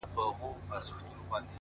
• جهنم ته ځه چي ځاي دي سي اورونه,